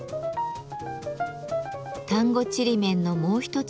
丹後ちりめんのもう一つの特徴